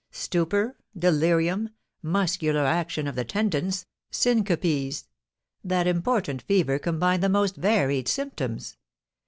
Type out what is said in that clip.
Stupor, delirium, muscular action of the tendons, syncopes, that important fever combined the most varied symptoms.